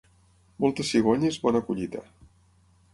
Moltes cigonyes, bona collita.